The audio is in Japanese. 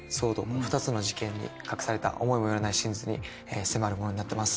２つの事件に隠された思いも寄らない真実に迫るものになってます。